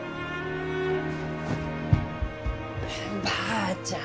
おばあちゃん